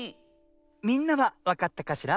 みんなはわかったかしら？